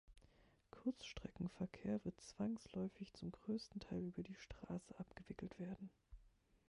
Kurzstreckenverkehr wird zwangsläufig zum größten Teil über die Straße abgewickelt werden.